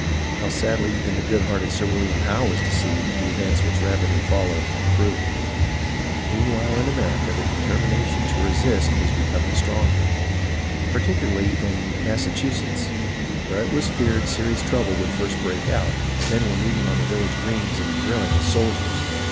How sadly even the good hearted Sir William Howe was deceived the events which rapidly followed, proved. Meanwhile in America the determination to resist was becoming stronger. Particularly in Massachusetts, where it was feared serious trouble would first break out, men were meeting on the village greens and drilling as sol diers.